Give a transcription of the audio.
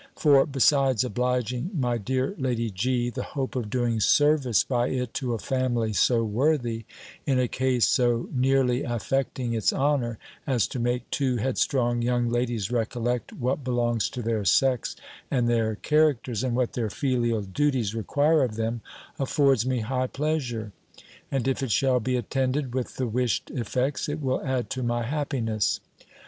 For, besides obliging my dear Lady G., the hope of doing service by it to a family so worthy, in a case so nearly affecting its honour, as to make two headstrong young ladies recollect what belongs to their sex and their characters, and what their filial duties require of them, affords me high pleasure; and if it shall be attended with the wished effects, it will add to my happiness.